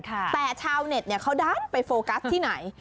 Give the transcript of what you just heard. แต่ชาวเน็ตเขาด้านไปโฟกัสที่ไหน